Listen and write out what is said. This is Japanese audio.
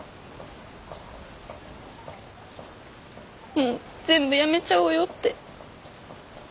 もう全部やめちゃおうよって。